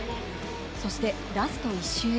そしてラスト１周へ。